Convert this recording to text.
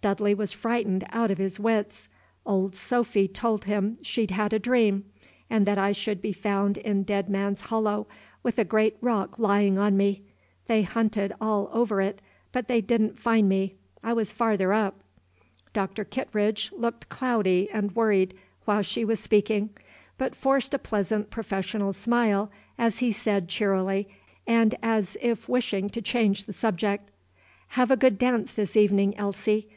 Dudley was frightened out of his wits. Old Sophy told him she'd had a dream, and that I should be found in Dead Man's Hollow, with a great rock lying on me. They hunted all over it, but they did n't find me, I was farther up." Doctor Kittredge looked cloudy and worried while she was speaking, but forced a pleasant professional smile, as he said cheerily, and as if wishing to change the subject, "Have a good dance this evening, Elsie.